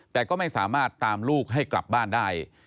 แต่ก็ไม่สามารถตามลูกให้กลับบ้านได้